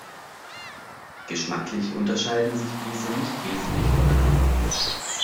Geschmacklich unterscheiden sich diese nicht wesentlich voneinander.